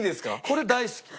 これ大好き。